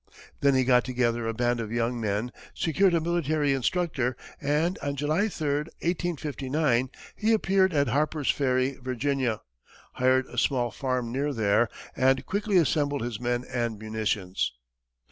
Then he got together a band of young men, secured a military instructor; and on July 3, 1859, he appeared at Harper's Ferry, Virginia, hired a small farm near there, and quietly assembled his men and munitions.